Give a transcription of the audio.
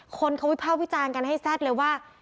คนเขาวิภาควิจารณ์กันให้แซ่ดเลยว่า